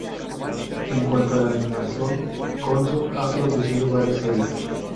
En cuanto a la animación, Gonzo ha producido varias series.